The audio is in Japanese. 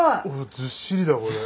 ずっしりだこれ。